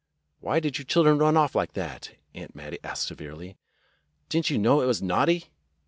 "Why did you children run off like that?" Aunt Mattie asked severely. "Did n't you know it was naughty?"